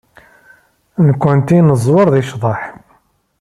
Nekkenti neẓwer deg ccḍeḥ.